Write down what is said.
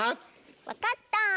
分かった！